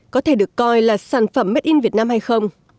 có thể được coi là sản phẩm made in việt nam hay không